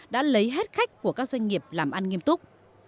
đã lấy hết khách của các doanh nghiệp làm ăn nghiêm túc